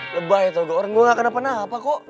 lebay itu udah orang gua gak kenapa napa kok